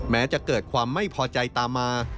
แม้จะเกิดความไม่พอใจตามมา